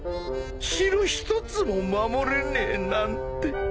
城一つも守れねえなんて。